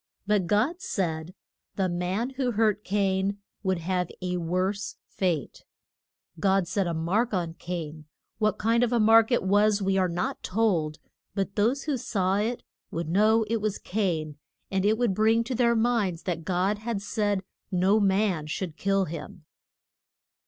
But God said the man who hurt Cain would have a worse fate. God set a mark on Cain; what kind of a mark it was we are not told, but those who saw it would know it was Cain, and it would bring to their minds that God had said no man should kill him.